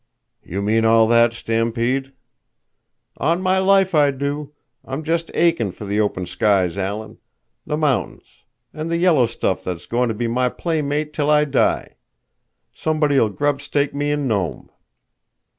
"You mean all that, Stampede?" "On my life, I do. I'm just aching for the open skies, Alan. The mountains. And the yellow stuff that's going to be my playmate till I die. Somebody'll grub stake me in Nome."